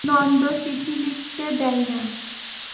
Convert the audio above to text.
নন্দ চিঠি লিখতে দেয় না।